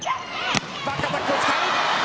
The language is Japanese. バックアタックを使う。